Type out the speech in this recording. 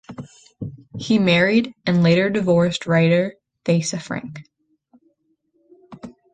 He married, and later divorced, writer Thaisa Frank.